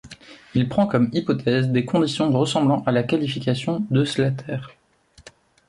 Il prend comme hypothèse des conditions ressemblant à la qualification de Slater.